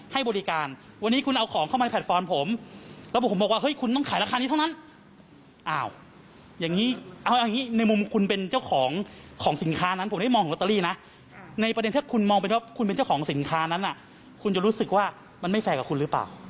ให้ทุกคนมาคำถามนะคะว่าเป็นเพราะเรากันจริงหรือ